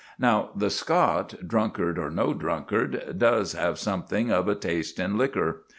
Now, the Scot, drunkard or no drunkard, does have something of a taste in liquor.